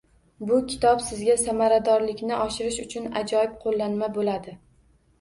Bu kitob sizga samaradorlikni oshirish uchun ajoyib qoʻllanma boʻladi.